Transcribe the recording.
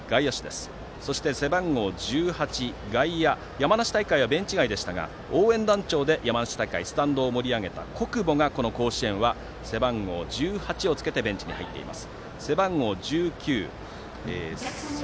山梨大会はベンチ外でしたが応援団長で山梨大会ではスタンドを盛り上げた小久保が、この甲子園では背番号１８をつけてベンチに入っています。